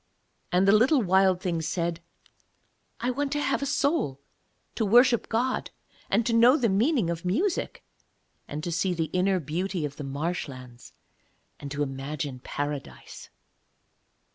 And the little Wild Thing said: 'I want to have a soul to worship God, and to know the meaning of music, and to see the inner beauty of the marshlands and to imagine Paradise.'